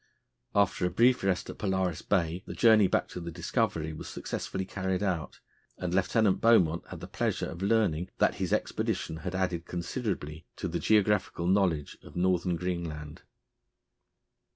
After a brief rest at Polaris Bay the journey back to the Discovery was successfully carried out, and Lieutenant Beaumont had the pleasure of learning that his expedition had added considerably to the geographical knowledge of Northern Greenland.